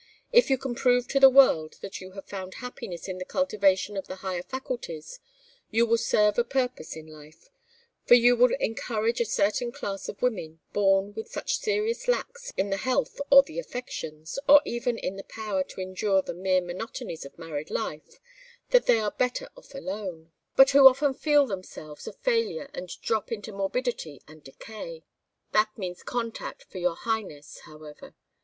If you can prove to the world that you have found happiness in the cultivation of the higher faculties, you will serve a purpose in life, for you will encourage a certain class of women born with such serious lacks, in the health or the affections, or even in the power to endure the mere monotonies of married life, that they are better off alone; but who often feel themselves a failure and drop into morbidity and decay. That means contact for your highness, however.